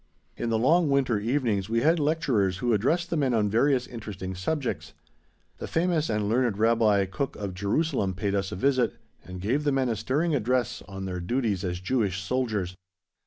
In the long winter evenings we had lecturers who addressed the men on various interesting subjects. The famous and learned Rabbi Kuk of Jerusalem paid us a visit, and gave the men a stirring address on their duties as Jewish soldiers.